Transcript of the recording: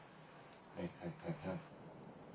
はいはいはいはい。